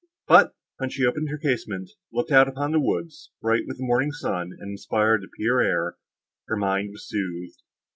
But, when she opened her casement, looked out upon the woods, bright with the morning sun, and inspired the pure air, her mind was soothed.